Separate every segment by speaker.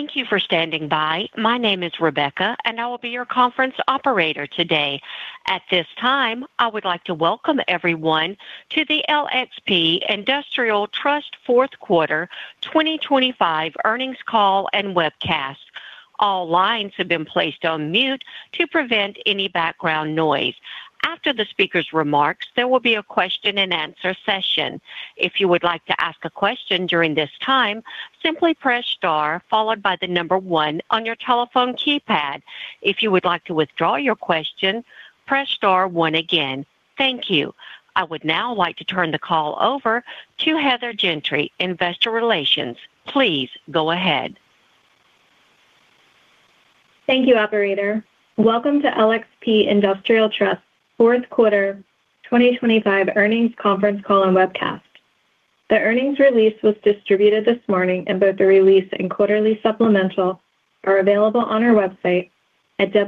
Speaker 1: Thank you for standing by. My name is Rebecca, and I will be your conference operator today. At this time, I would like to welcome everyone to the LXP Industrial Trust Fourth Quarter 2025 Earnings Call and Webcast. All lines have been placed on mute to prevent any background noise. After the speaker's remarks, there will be a question and answer session. If you would like to ask a question during this time, simply press star followed by the number one on your telephone keypad. If you would like to withdraw your question, press star one again. Thank you. I would now like to turn the call over to Heather Gentry, Investor Relations. Please go ahead.
Speaker 2: Thank you, operator. Welcome to LXP Industrial Trust Fourth Quarter 2025 Earnings Conference Call and Webcast. The earnings release was distributed this morning, and both the release and quarterly supplemental are available on our website at www.lxp.com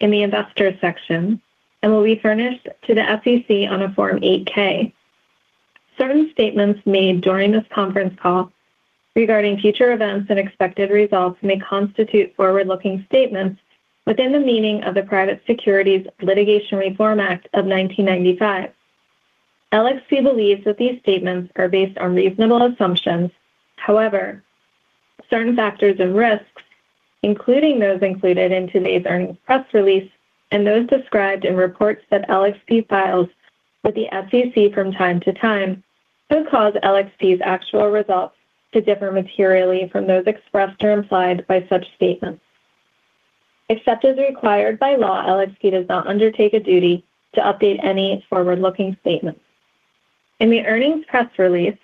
Speaker 2: in the Investors section and will be furnished to the SEC on a Form 8-K. Certain statements made during this conference call regarding future events and expected results may constitute forward-looking statements within the meaning of the Private Securities Litigation Reform Act of 1995. LXP believes that these statements are based on reasonable assumptions. However, certain factors and risks, including those included in today's earnings press release and those described in reports that LXP files with the SEC from time to time, could cause LXP's actual results to differ materially from those expressed or implied by such statements. Except as required by law, LXP does not undertake a duty to update any forward-looking statements. In the earnings press release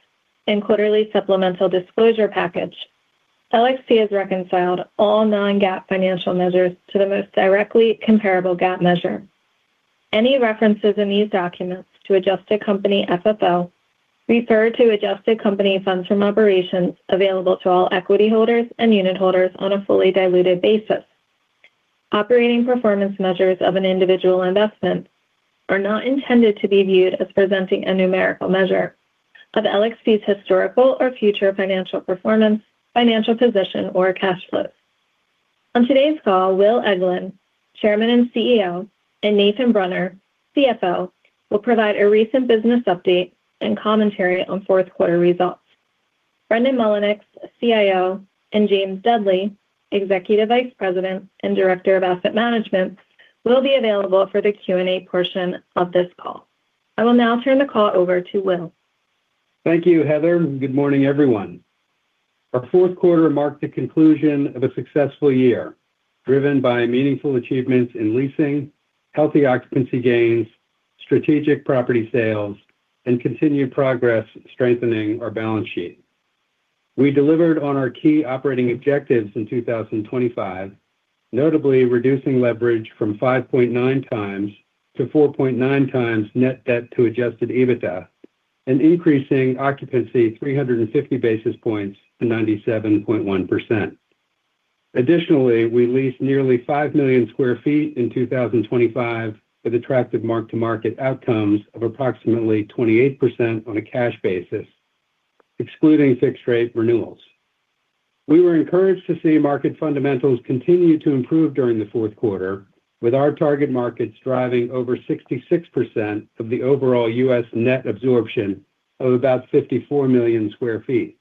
Speaker 2: and quarterly supplemental disclosure package, LXP has reconciled all non-GAAP financial measures to the most directly comparable GAAP measure. Any references in these documents to adjusted company FFO refer to adjusted company funds from operations available to all equity holders and unitholders on a fully diluted basis. Operating performance measures of an individual investment are not intended to be viewed as presenting a numerical measure of LXP's historical or future financial performance, financial position, or cash flows. On today's call, Will Eglin, Chairman and CEO, and Nathan Brunner, CFO, will provide a recent business update and commentary on fourth quarter results. Brendan Mullinix, CIO, and James Dudley, Executive Vice President and Director of Asset Management, will be available for the Q&A portion of this call. I will now turn the call over to Will.
Speaker 3: Thank you, Heather, and good morning, everyone. Our fourth quarter marked the conclusion of a successful year, driven by meaningful achievements in leasing, healthy occupancy gains, strategic property sales, and continued progress strengthening our balance sheet. We delivered on our key operating objectives in 2025, notably reducing leverage from 5.9 times to 4.9 times net debt to adjusted EBITDA, and increasing occupancy 350 basis points to 97.1%. Additionally, we leased nearly 5 million sq ft in 2025, with attractive mark-to-market outcomes of approximately 28% on a cash basis, excluding fixed rate renewals. We were encouraged to see market fundamentals continue to improve during the fourth quarter, with our target markets driving over 66% of the overall U.S. net absorption of about 54 million sq ft.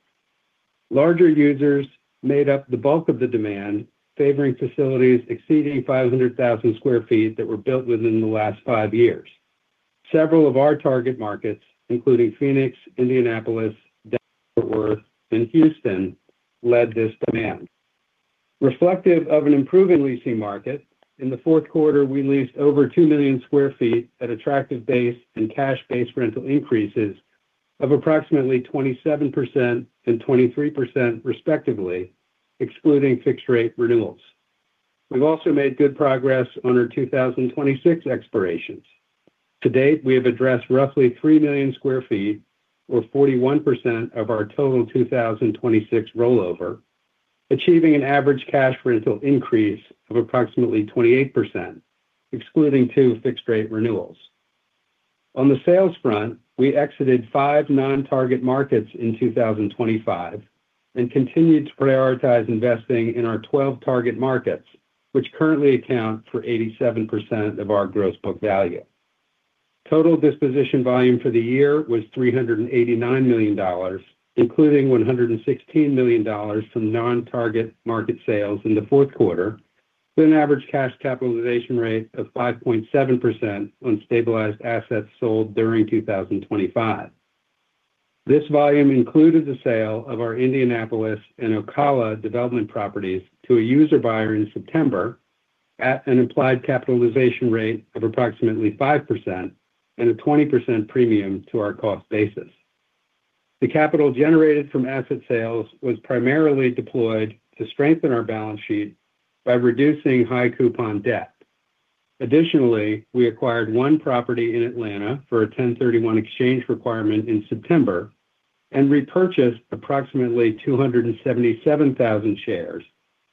Speaker 3: Larger users made up the bulk of the demand, favoring facilities exceeding 500,000 sq ft that were built within the last 5 years. Several of our target markets, including Phoenix, Indianapolis, Fort Worth, and Houston, led this demand. Reflective of an improving leasing market, in the fourth quarter, we leased over 2 million sq ft at attractive base and cash base rental increases of approximately 27% and 23%, respectively, excluding fixed-rate renewals. We've also made good progress on our 2026 expirations. To date, we have addressed roughly 3 million sq ft, or 41% of our total 2026 rollover, achieving an average cash rental increase of approximately 28%, excluding two fixed-rate renewals. On the sales front, we exited five non-target markets in 2025 and continued to prioritize investing in our 12 target markets, which currently account for 87% of our gross book value. Total disposition volume for the year was $389 million, including $116 million from non-target market sales in the fourth quarter, with an average cash capitalization rate of 5.7% on stabilized assets sold during 2025. This volume included the sale of our Indianapolis and Ocala development properties to a user buyer in September at an implied capitalization rate of approximately 5% and a 20% premium to our cost basis. The capital generated from asset sales was primarily deployed to strengthen our balance sheet by reducing high coupon debt. Additionally, we acquired one property in Atlanta for a 1031 exchange requirement in September and repurchased approximately 277,000 shares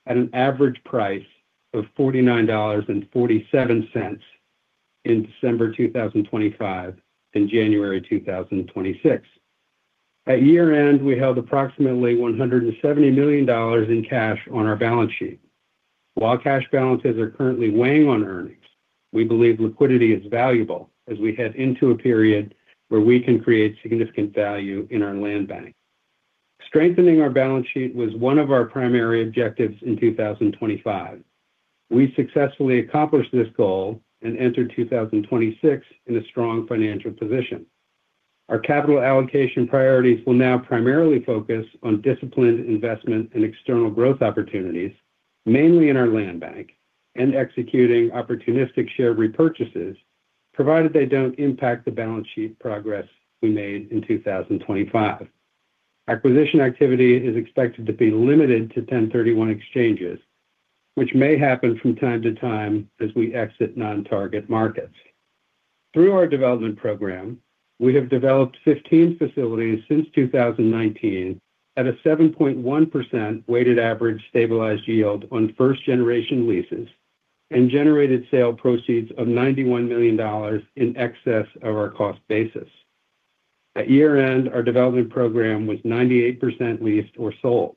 Speaker 3: at an average price of $49.47 in December 2025 and January 2026. At year-end, we held approximately $170 million in cash on our balance sheet. While cash balances are currently weighing on earnings, we believe liquidity is valuable as we head into a period where we can create significant value in our land bank. Strengthening our balance sheet was one of our primary objectives in 2025. We successfully accomplished this goal and entered 2026 in a strong financial position. Our capital allocation priorities will now primarily focus on disciplined investment and external growth opportunities, mainly in our land bank, and executing opportunistic share repurchases, provided they don't impact the balance sheet progress we made in 2025. Acquisition activity is expected to be limited to 1031 exchanges, which may happen from time to time as we exit non-target markets. Through our development program, we have developed 15 facilities since 2019 at a 7.1% weighted average stabilized yield on first-generation leases, and generated sale proceeds of $91 million in excess of our cost basis. At year-end, our development program was 98% leased or sold.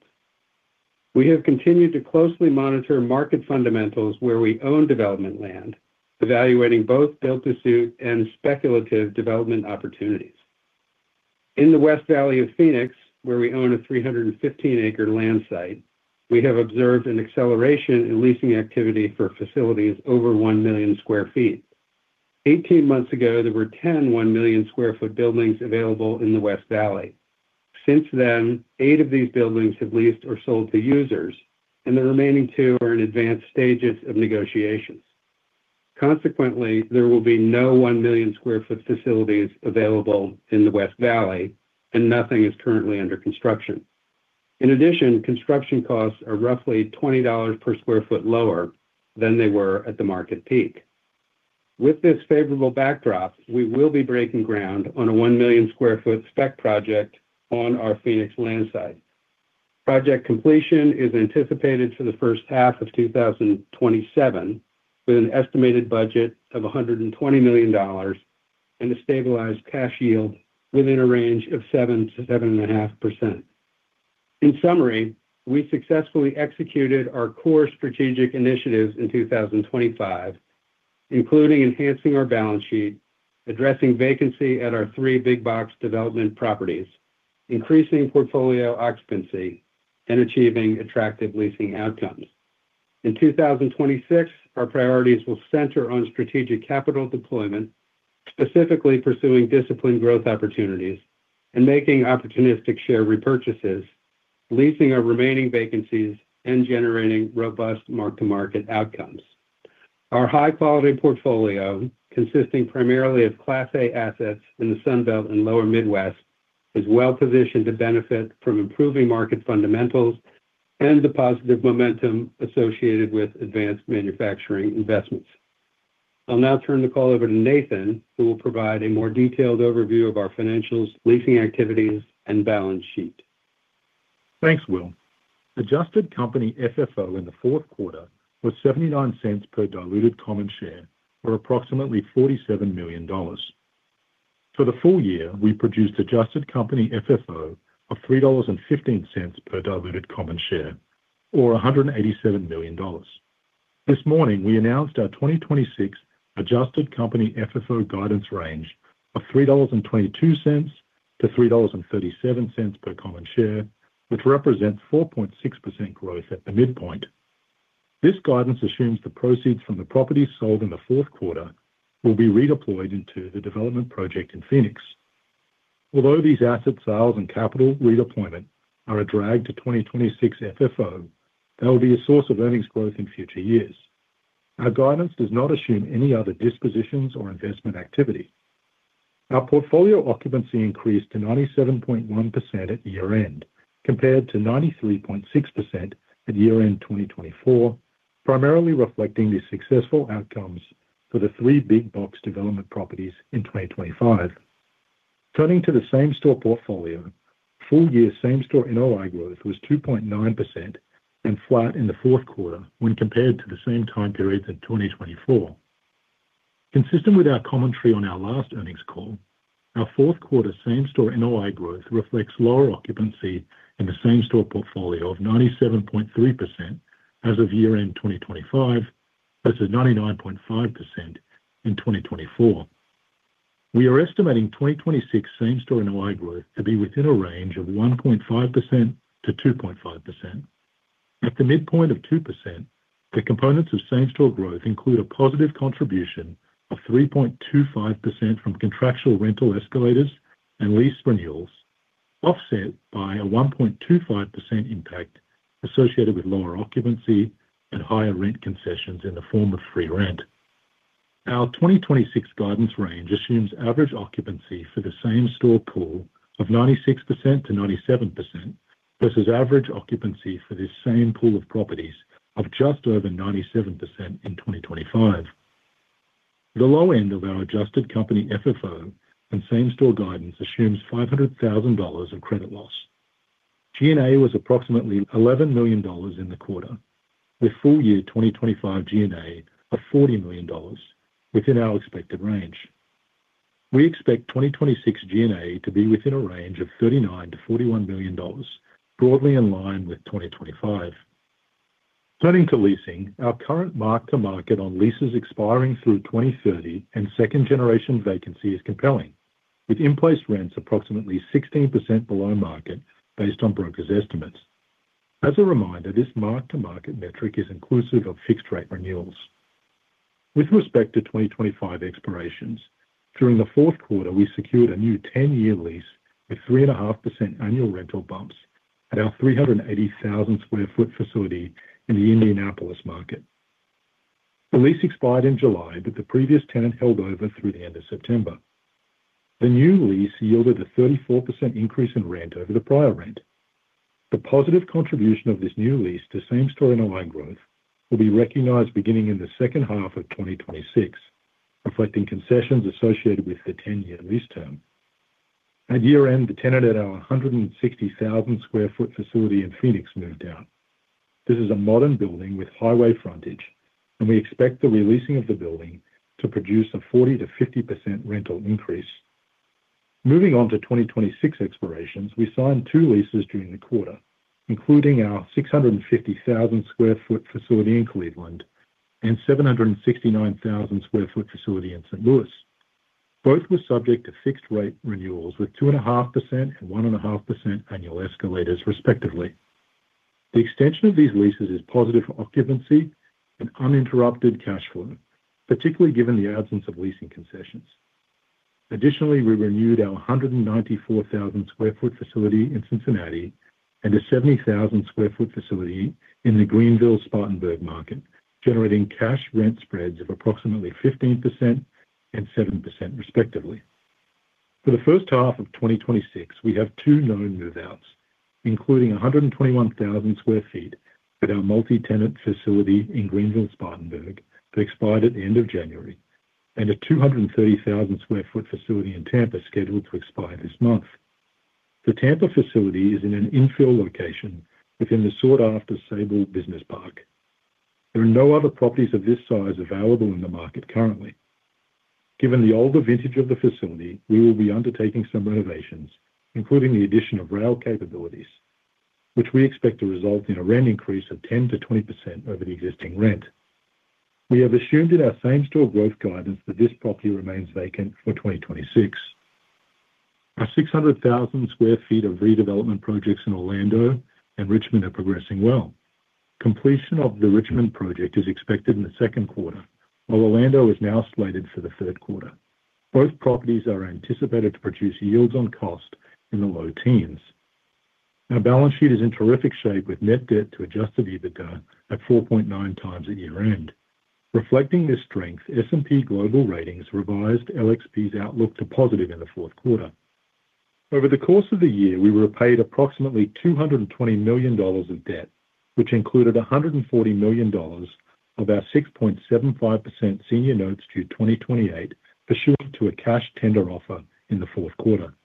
Speaker 3: We have continued to closely monitor market fundamentals where we own development land, evaluating both build-to-suit and speculative development opportunities. In the West Valley of Phoenix, where we own a 315-acre land site, we have observed an acceleration in leasing activity for facilities over 1 million sq ft. Eighteen months ago, there were 10 one million sq ft buildings available in the West Valley. Since then, 8 of these buildings have leased or sold to users, and the remaining 2 are in advanced stages of negotiations. Consequently, there will be no 1 million sq ft facilities available in the West Valley, and nothing is currently under construction. In addition, construction costs are roughly $20 per sq ft lower than they were at the market peak. With this favorable backdrop, we will be breaking ground on a 1 million sq ft spec project on our Phoenix land site. Project completion is anticipated for the first half of 2027, with an estimated budget of $120 million and a stabilized cash yield within a range of 7%-7.5%. In summary, we successfully executed our core strategic initiatives in 2025, including enhancing our balance sheet, addressing vacancy at our three big box development properties, increasing portfolio occupancy, and achieving attractive leasing outcomes. In 2026, our priorities will center on strategic capital deployment, specifically pursuing disciplined growth opportunities and making opportunistic share repurchases, leasing our remaining vacancies, and generating robust mark-to-market outcomes. Our high-quality portfolio, consisting primarily of Class A assets in the Sun Belt and Lower Midwest, is well-positioned to benefit from improving market fundamentals and the positive momentum associated with advanced manufacturing investments. I'll now turn the call over to Nathan, who will provide a more detailed overview of our financials, leasing activities, and balance sheet.
Speaker 4: Thanks, Will. Adjusted company FFO in the fourth quarter was $0.79 per diluted common share, or approximately $47 million. For the full year, we produced adjusted company FFO of $3.15 per diluted common share, or $187 million. This morning, we announced our 2026 adjusted company FFO guidance range of $3.22-$3.37 per common share, which represents 4.6% growth at the midpoint. This guidance assumes the proceeds from the properties sold in the fourth quarter will be redeployed into the development project in Phoenix. Although these asset sales and capital redeployment are a drag to 2026 FFO, they will be a source of earnings growth in future years. Our guidance does not assume any other dispositions or investment activity. Our portfolio occupancy increased to 97.1% at year-end, compared to 93.6% at year-end 2024, primarily reflecting the successful outcomes for the three big box development properties in 2025. Turning to the same-store portfolio, full year same-store NOI growth was 2.9% and flat in the fourth quarter when compared to the same time period in 2024. Consistent with our commentary on our last earnings call, our fourth quarter same-store NOI growth reflects lower occupancy in the same-store portfolio of 97.3% as of year-end 2025, versus 99.5% in 2024. We are estimating 2026 same-store NOI growth to be within a range of 1.5%-2.5%. At the midpoint of 2%, the components of Same-Store growth include a positive contribution of 3.25% from contractual rental escalators and lease renewals, offset by a 1.25% impact associated with lower occupancy and higher rent concessions in the form of free rent. Our 2026 guidance range assumes average occupancy for the Same-Store pool of 96%-97%, versus average occupancy for this same pool of properties of just over 97% in 2025. The low end of our Adjusted Company FFO and Same-Store guidance assumes $500,000 in credit loss. G&A was approximately $11 million in the quarter, with full year 2025 G&A of $40 million, within our expected range. We expect 2026 G&A to be within a range of $39 million-$41 million, broadly in line with 2025. Turning to leasing, our current mark-to-market on leases expiring through 2030 and second generation vacancy is compelling, with in-place rents approximately 16% below market based on brokers' estimates. As a reminder, this mark-to-market metric is inclusive of fixed-rate renewals. With respect to 2025 expirations, during the fourth quarter, we secured a new 10-year lease with 3.5% annual rental bumps at our 380,000 sq ft facility in the Indianapolis market. The lease expired in July, but the previous tenant held over through the end of September. The new lease yielded a 34% increase in rent over the prior rent. The positive contribution of this new lease to same-store NOI growth will be recognized beginning in the second half of 2026, reflecting concessions associated with the 10-year lease term. At year-end, the tenant at our 160,000 sq ft facility in Phoenix moved out. This is a modern building with highway frontage, and we expect the re-leasing of the building to produce a 40%-50% rental increase. Moving on to 2026 expirations, we signed two leases during the quarter, including our 650,000 sq ft facility in Cleveland and 769,000 sq ft facility in St. Louis. Both were subject to fixed rate renewals, with 2.5% and 1.5% annual escalators, respectively. The extension of these leases is positive for occupancy and uninterrupted cash flow, particularly given the absence of leasing concessions. Additionally, we renewed our 194,000 sq ft facility in Cincinnati and a 70,000 sq ft facility in the Greenville-Spartanburg market, generating cash rent spreads of approximately 15% and 7%, respectively. For the first half of 2026, we have two known move-outs, including 121,000 sq ft at our multi-tenant facility in Greenville-Spartanburg, that expired at the end of January, and a 230,000 sq ft facility in Tampa, scheduled to expire this month. The Tampa facility is in an infill location within the sought-after Sabal Business Park. There are no other properties of this size available in the market currently. Given the older vintage of the facility, we will be undertaking some renovations, including the addition of rail capabilities, which we expect to result in a rent increase of 10%-20% over the existing rent. We have assumed in our same-store growth guidance that this property remains vacant for 2026. Our 600,000 sq ft of redevelopment projects in Orlando and Richmond are progressing well. Completion of the Richmond project is expected in the second quarter, while Orlando is now slated for the third quarter. Both properties are anticipated to produce yields on cost in the low teens. Our balance sheet is in terrific shape, with net debt to adjusted EBITDA at 4.9 times at year-end. Reflecting this strength, S&P Global Ratings revised LXP's outlook to positive in the fourth quarter. Over the course of the year, we repaid approximately $220 million of debt, which included $140 million of our 6.75% senior notes due 2028, pursuant to a cash tender offer in the fourth quarter.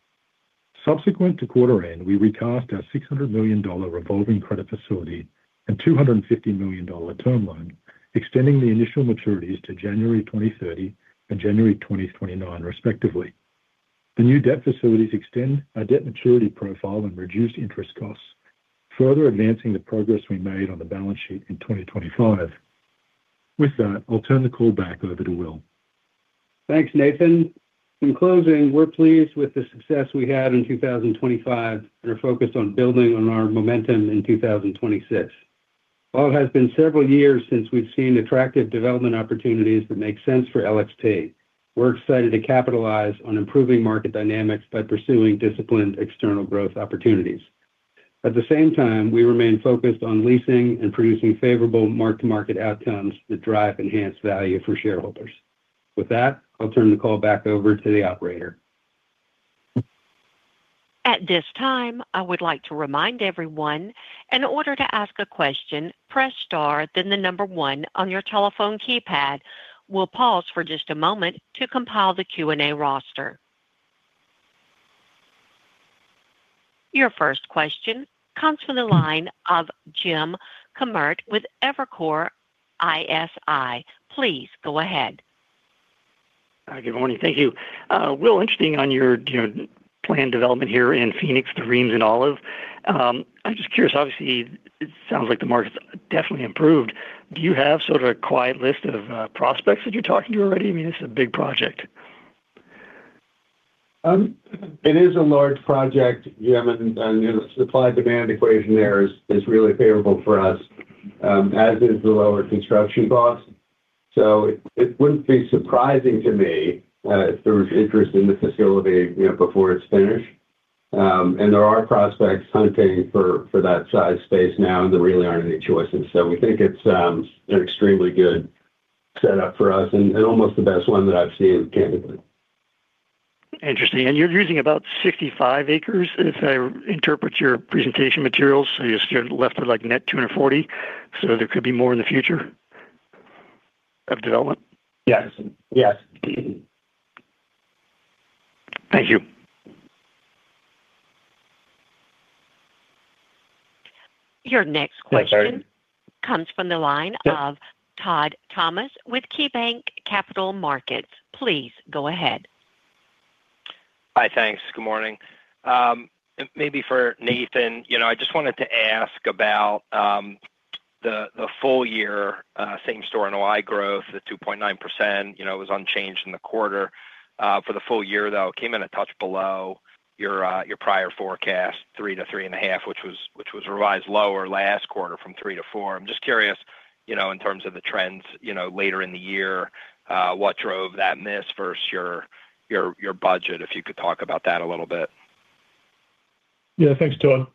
Speaker 4: Subsequent to quarter end, we recast our $600 million revolving credit facility and $250 million term loan, extending the initial maturities to January 2030 and January 2029, respectively. The new debt facilities extend our debt maturity profile and reduced interest costs, further advancing the progress we made on the balance sheet in 2025. With that, I'll turn the call back over to Will.
Speaker 3: Thanks, Nathan. In closing, we're pleased with the success we had in 2025 and are focused on building on our momentum in 2026. While it has been several years since we've seen attractive development opportunities that make sense for LXP, we're excited to capitalize on improving market dynamics by pursuing disciplined external growth opportunities. At the same time, we remain focused on leasing and producing favorable mark-to-market outcomes that drive enhanced value for shareholders. With that, I'll turn the call back over to the operator.
Speaker 1: At this time, I would like to remind everyone, in order to ask a question, press Star, then the number one on your telephone keypad. We'll pause for just a moment to compile the Q&A roster. Your first question comes from the line of Jim Kammert with Evercore ISI. Please go ahead.
Speaker 5: Hi, good morning. Thank you. Will, interesting on your planned development here in Phoenix, the Reems and Olive. I'm just curious, obviously, it sounds like the market's definitely improved. Do you have sort of a quiet list of prospects that you're talking to already? I mean, this is a big project.
Speaker 3: It is a large project, Jim, and the supply-demand equation there is really favorable for us, as is the lower construction costs. So it wouldn't be surprising to me, if there was interest in the facility, you know, before it's finished. And there are prospects hunting for that size space now, and there really aren't any choices. So we think it's an extremely good setup for us and almost the best one that I've seen, candidly.
Speaker 5: Interesting. And you're using about 65 acres, if I interpret your presentation materials, so you're left with, like, net 240. So there could be more in the future of development?
Speaker 3: Yes. Yes....
Speaker 5: Thank you.
Speaker 1: Your next question comes from the line of Todd Thomas with KeyBanc Capital Markets. Please go ahead.
Speaker 6: Hi, thanks. Good morning. Maybe for Nathan, you know, I just wanted to ask about, the, the full year, same-store NOI growth, the 2.9%, you know, it was unchanged in the quarter. For the full year, though, it came in a touch below your, your prior forecast, 3%-3.5%, which was, which was revised lower last quarter from 3%-4%. I'm just curious, you know, in terms of the trends, you know, later in the year, what drove that miss versus your, your, your budget, if you could talk about that a little bit.
Speaker 4: Yeah, thanks, Todd.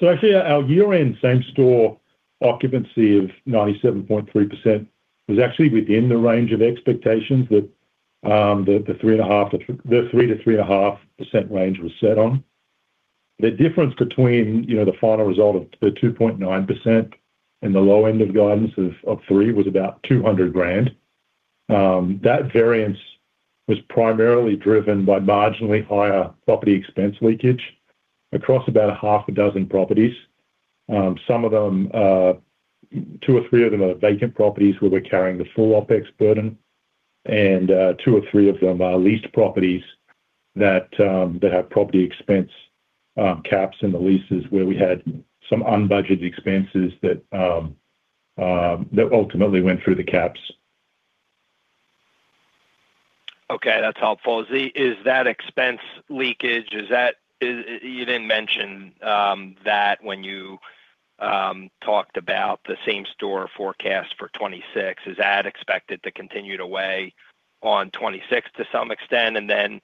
Speaker 4: So actually, our year-end same-store occupancy of 97.3% was actually within the range of expectations that the 3%-3.5% range was set on. The difference between, you know, the final result of the 2.9% and the low end of guidance of 3% was about $200,000. That variance was primarily driven by marginally higher property expense leakage across about half a dozen properties. Some of them, two or three of them are vacant properties where we're carrying the full OpEx burden, and two or three of them are leased properties that have property expense caps in the leases where we had some unbudgeted expenses that ultimately went through the caps.
Speaker 6: Okay, that's helpful. Is that expense leakage? You didn't mention that when you talked about the same-store forecast for 2026. Is that expected to continue to weigh on 2026 to some extent? And then,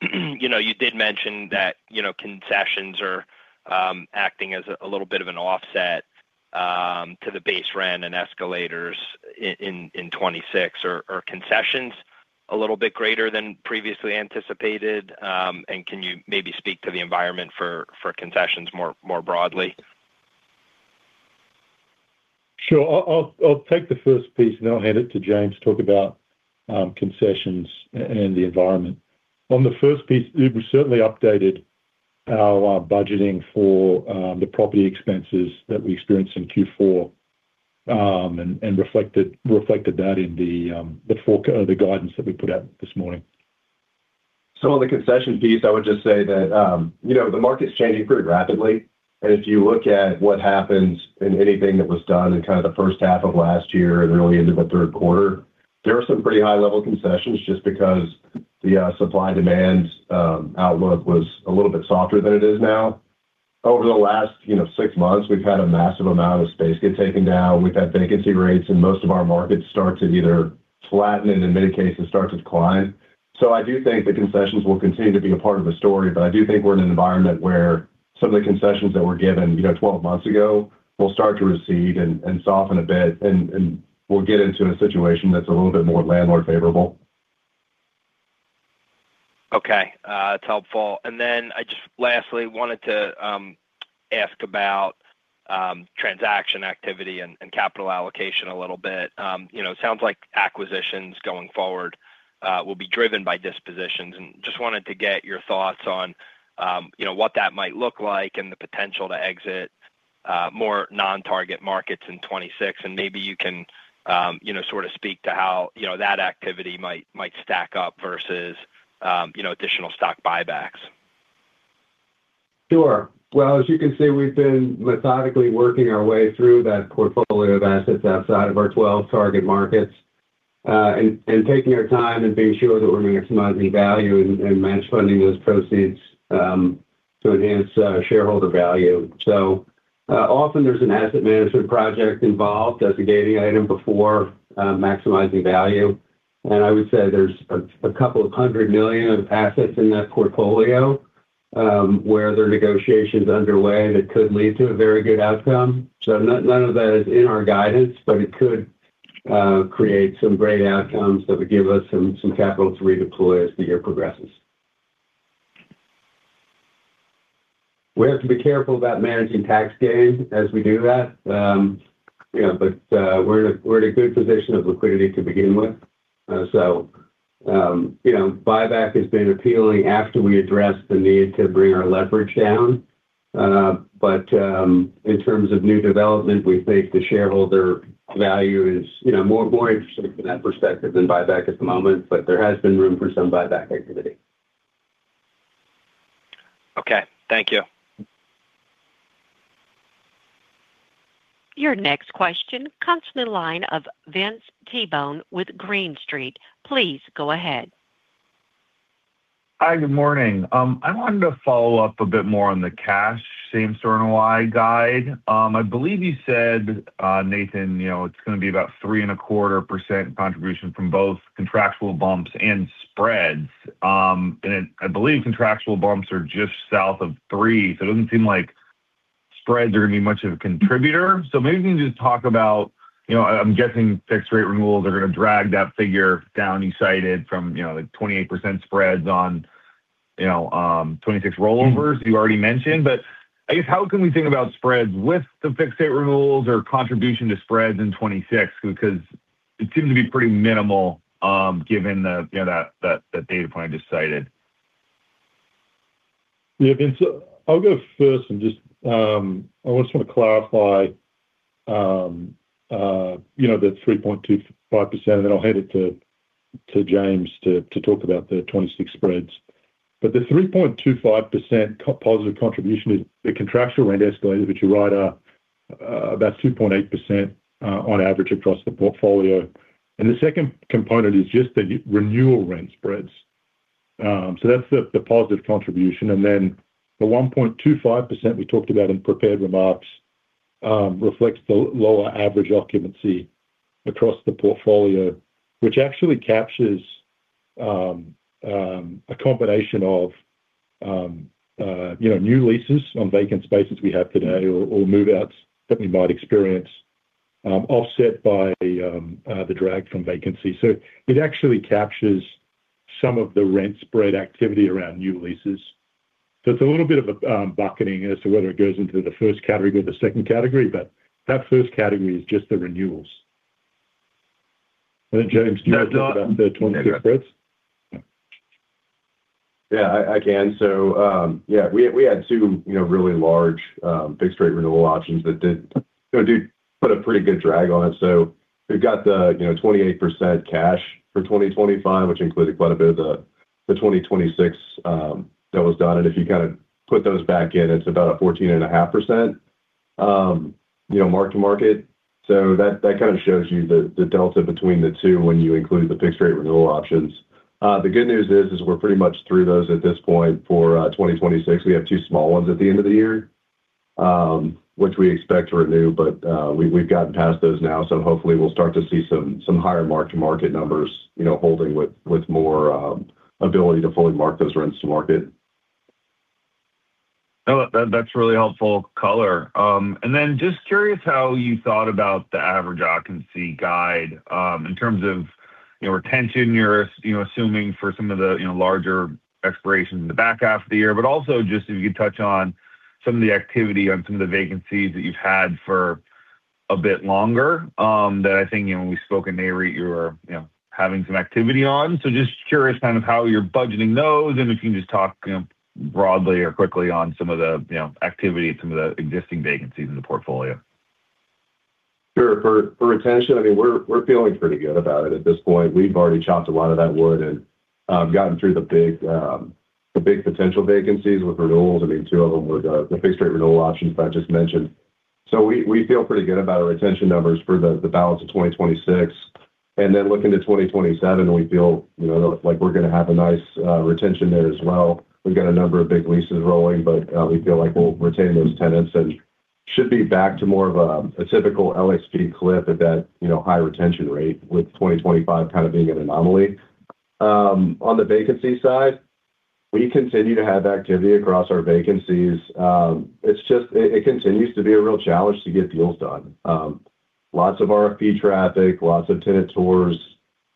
Speaker 6: you know, you did mention that, you know, concessions are acting as a little bit of an offset to the base rent and escalators in 2026. Are concessions a little bit greater than previously anticipated? And can you maybe speak to the environment for concessions more broadly?
Speaker 4: Sure. I'll take the first piece, and then I'll hand it to James to talk about concessions and the environment. On the first piece, we certainly updated our budgeting for the property expenses that we experienced in Q4, and reflected that in the FFO guidance that we put out this morning.
Speaker 7: So on the concession piece, I would just say that, you know, the market's changing pretty rapidly, and if you look at what happens in anything that was done in kind of the first half of last year and early into the third quarter, there were some pretty high-level concessions just because the, supply/demand, outlook was a little bit softer than it is now. Over the last, you know, six months, we've had a massive amount of space get taken down. We've had vacancy rates, and most of our market starts have either flattened and in many cases started to decline. So I do think the concessions will continue to be a part of the story, but I do think we're in an environment where some of the concessions that were given, you know, 12 months ago, will start to recede and soften a bit, and we'll get into a situation that's a little bit more landlord favorable.
Speaker 6: Okay, that's helpful. Then I just lastly wanted to ask about transaction activity and capital allocation a little bit. You know, it sounds like acquisitions going forward will be driven by dispositions, and just wanted to get your thoughts on, you know, what that might look like and the potential to exit more non-target markets in 2026. Maybe you can, you know, sort of speak to how, you know, that activity might stack up versus, you know, additional stock buybacks.
Speaker 3: Sure. Well, as you can see, we've been methodically working our way through that portfolio of assets outside of our 12 target markets, and taking our time and being sure that we're maximizing value and match funding those proceeds, to enhance shareholder value. So, often there's an asset management project involved as a gating item before maximizing value. And I would say there's $200 million of assets in that portfolio, where there are negotiations underway that could lead to a very good outcome. So none of that is in our guidance, but it could create some great outcomes that would give us some capital to redeploy as the year progresses. We have to be careful about managing tax gain as we do that. You know, but we're in a good position of liquidity to begin with. So, you know, buyback has been appealing after we addressed the need to bring our leverage down. But in terms of new development, we think the shareholder value is, you know, more interesting from that perspective than buyback at the moment, but there has been room for some buyback activity.
Speaker 6: Okay, thank you.
Speaker 1: Your next question comes from the line of Vince Tibone with Green Street. Please go ahead.
Speaker 8: Hi, good morning. I wanted to follow up a bit more on the cash same-store NOI guide. I believe you said, Nathan, you know, it's gonna be about 3.25% contribution from both contractual bumps and spreads. I believe contractual bumps are just south of 3%, so it doesn't seem like spreads are gonna be much of a contributor. So maybe you can just talk about, you know, I'm guessing fixed rate renewals are gonna drag that figure down. You cited from, you know, like, 28% spreads on 26 rollovers you already mentioned. But I guess, how can we think about spreads with the fixed rate renewals or contribution to spreads in 2026? Because it seems to be pretty minimal, given the, you know, that data point just cited.
Speaker 4: Yeah, Vince, so I'll go first, and just, I just want to clarify, you know, the 3.25%, and then I'll hand it to, to James to, to talk about the 2026 spreads. But the 3.25% core positive contribution is the contractual rent escalators, which are right about 2.8% on average across the portfolio. And the second component is just the renewal rent spreads. So that's the positive contribution. And then the 1.25% we talked about in prepared remarks reflects the lower average occupancy across the portfolio, which actually captures a combination of, you know, new leases on vacant spaces we have today or move-outs that we might experience offset by the drag from vacancy. So it actually captures some of the rent spread activity around new leases. So it's a little bit of a bucketing as to whether it goes into the first category or the second category, but that first category is just the renewals. And then, James, do you want to talk about the 26 spreads?
Speaker 7: Yeah, I can. So, yeah, we had two, you know, really large fixed-rate renewal options that did, you know, do put a pretty good drag on it. So we've got the, you know, 28% cash for 2025, which included quite a bit of the 2026 that was done. And if you kind of put those back in, it's about a 14.5%, you know, Mark-to-Market. So that kind of shows you the delta between the two when you include the fixed-rate renewal options. The good news is we're pretty much through those at this point for 2026. We have two small ones at the end of the year, which we expect to renew, but we've gotten past those now, so hopefully we'll start to see some higher mark-to-market numbers, you know, holding with more ability to fully mark those rents to market.
Speaker 8: Oh, that, that's really helpful color. And then just curious how you thought about the average occupancy guide, in terms of, you know, retention, you're, you know, assuming for some of the, you know, larger expirations in the back half of the year. But also just if you could touch on some of the activity on some of the vacancies that you've had for a bit longer, that I think, you know, when we spoke in May, right, you were, you know, having some activity on. So just curious kind of how you're budgeting those, and if you can just talk, you know, broadly or quickly on some of the, you know, activity and some of the existing vacancies in the portfolio.
Speaker 7: Sure. For retention, I mean, we're feeling pretty good about it at this point. We've already chopped a lot of that wood and gotten through the big potential vacancies with renewals. I mean, two of them were the fixed-rate renewal options that I just mentioned. So we feel pretty good about our retention numbers for the balance of 2026. And then looking to 2027, we feel, you know, like we're going to have a nice retention there as well. We've got a number of big leases rolling, but we feel like we'll retain those tenants and should be back to more of a typical LXP clip at that, you know, high retention rate, with 2025 kind of being an anomaly. On the vacancy side, we continue to have activity across our vacancies. It's just, it continues to be a real challenge to get deals done. Lots of RFP traffic, lots of tenant tours,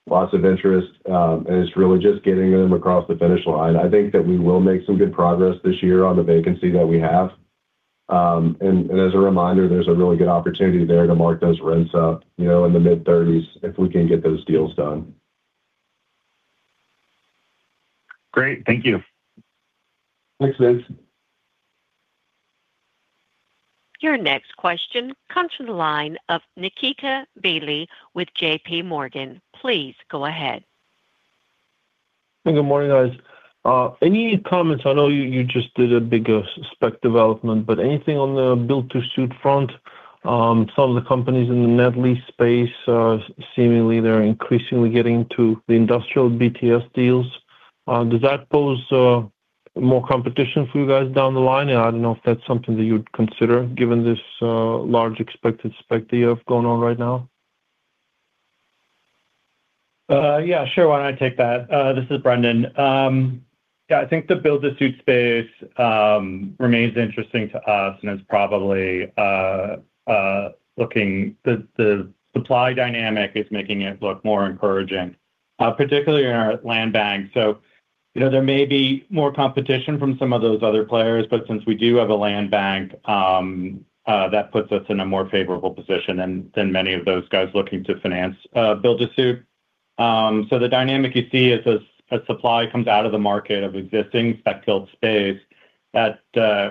Speaker 7: lots of interest, and it's really just getting them across the finish line. I think that we will make some good progress this year on the vacancy that we have. And as a reminder, there's a really good opportunity there to mark those rents up, you know, in the mid-$30s, if we can get those deals done.
Speaker 8: Great. Thank you.
Speaker 7: Thanks, Vince.
Speaker 1: Your next question comes from the line of Nikita Bely with JPMorgan. Please go ahead.
Speaker 9: Hey, good morning, guys. Any comments? I know you just did a bigger spec development, but anything on the build-to-suit front? Some of the companies in the net lease space seemingly they're increasingly getting to the industrial BTS deals. Does that pose more competition for you guys down the line? I don't know if that's something that you'd consider, given this large expected spec deal you have going on right now.
Speaker 10: Yeah, sure. Why don't I take that? This is Brendan. Yeah, I think the build-to-suit space remains interesting to us, and it's probably looking. The supply dynamic is making it look more encouraging, particularly in our land bank. So, you know, there may be more competition from some of those other players, but since we do have a land bank, that puts us in a more favorable position than many of those guys looking to finance build-to-suit. So the dynamic you see is as supply comes out of the market of existing spec-built space, that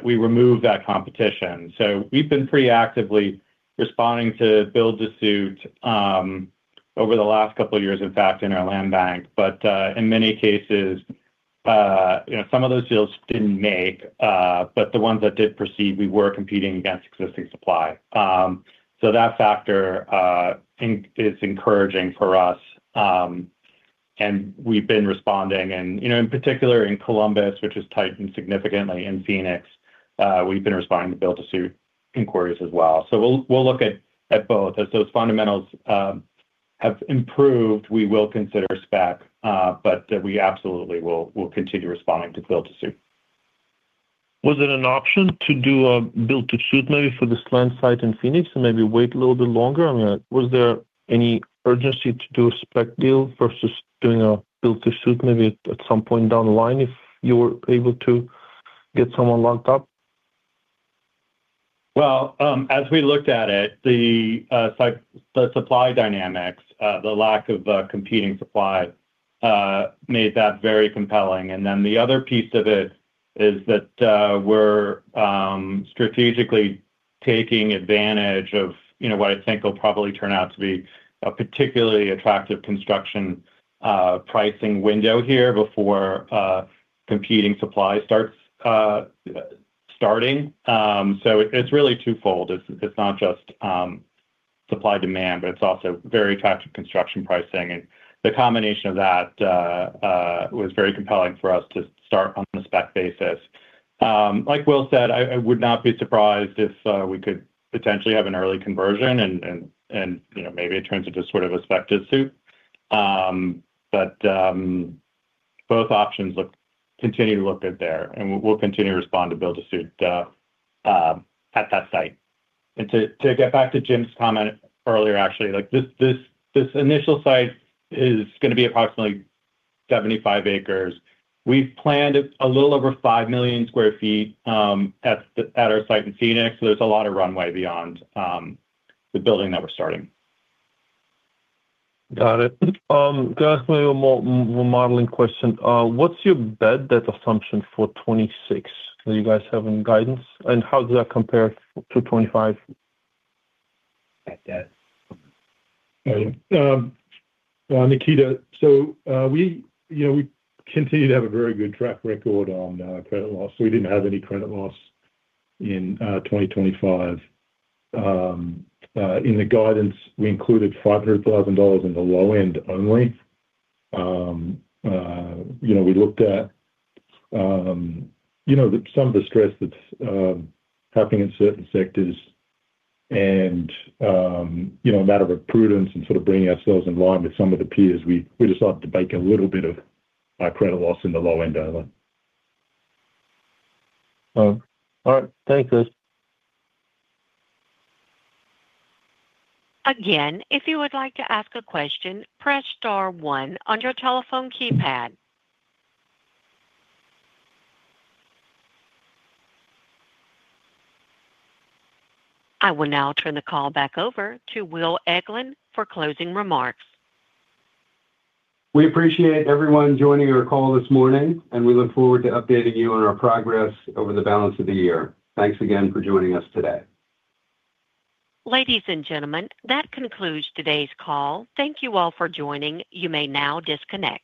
Speaker 10: we remove that competition. So we've been pretty actively responding to build-to-suit over the last couple of years, in fact, in our land bank. But, in many cases, you know, some of those deals didn't make, but the ones that did proceed, we were competing against existing supply. So that factor, think is encouraging for us, and we've been responding. And, you know, in particular in Columbus, which has tightened significantly in Phoenix, we've been responding to build-to-suit inquiries as well. So we'll look at both. As those fundamentals have improved, we will consider spec, but we absolutely will continue responding to build-to-suit....
Speaker 9: Was it an option to do a build to suit maybe for this land site in Phoenix, and maybe wait a little bit longer? I mean, was there any urgency to do a spec deal versus doing a build to suit maybe at some point down the line, if you were able to get someone locked up?
Speaker 10: Well, as we looked at it, the like the supply dynamics the lack of competing supply made that very compelling. And then the other piece of it is that we're strategically taking advantage of, you know, what I think will probably turn out to be a particularly attractive construction pricing window here before competing supply starts. So it, it's really twofold. It's, it's not just supply-demand, but it's also very attractive construction pricing. And the combination of that was very compelling for us to start on a spec basis. Like Will said, I would not be surprised if we could potentially have an early conversion and, you know, maybe it turns into sort of a spec to suit. But both options look, continue to look good there, and we'll continue to respond to build to suit at that site. And to get back to Jim's comment earlier, actually, like, this initial site is gonna be approximately 75 acres. We've planned a little over 5 million sq ft at our site in Phoenix, so there's a lot of runway beyond the building that we're starting.
Speaker 9: Got it. Can I ask you a more modeling question? What's your bad debt assumption for 2026? Do you guys have any guidance, and how does that compare to 2025?
Speaker 4: Bad debt. Well, Nikita, so, we, you know, we continue to have a very good track record on, credit loss. We didn't have any credit loss in, 2025. In the guidance, we included $500,000 in the low end only. You know, we looked at, you know, some of the stress that's, happening in certain sectors and, you know, a matter of prudence and sort of bringing ourselves in line with some of the peers, we, we decided to bake a little bit of high credit loss in the low end only.
Speaker 9: All right. Thanks, Chris.
Speaker 1: Again, if you would like to ask a question, press star one on your telephone keypad. I will now turn the call back over to Will Eglin for closing remarks.
Speaker 3: We appreciate everyone joining our call this morning, and we look forward to updating you on our progress over the balance of the year. Thanks again for joining us today.
Speaker 1: Ladies and gentlemen, that concludes today's call. Thank you all for joining. You may now disconnect.